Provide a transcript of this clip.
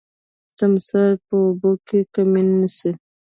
تمساح په اوبو کي کمین نیسي.